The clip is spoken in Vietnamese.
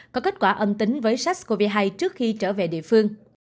có kết quả âm tính với sars cov hai trước khi trở về địa phương